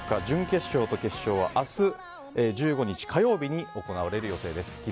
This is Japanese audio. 準決勝と決勝は明日１５日火曜日に行われる予定です。